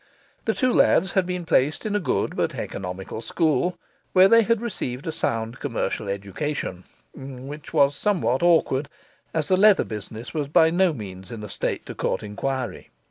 The two lads had been placed in a good but economical school, where they had received a sound commercial education; which was somewhat awkward, as the leather business was by no means in a state to court enquiry.